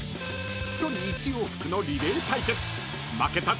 ［一人一往復のリレー対決］